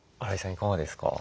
いかがですか？